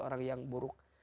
orang yang buruk